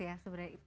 itu tulus ya